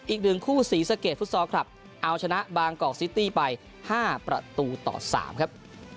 อีกหนึ่งคู่ศรีสะเกดฟุตซอลคลับเอาชนะบางกอกซิตี้ไป๕ประตูต่อ๓ครับ